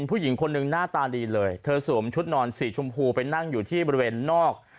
ผู้หญิงคนหนึ่งหน้าตาดีเลยเธอสวมชุดนอนสีชมพูไปนั่งอยู่ที่บริเวณนอก